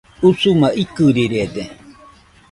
Usuma ikɨrirede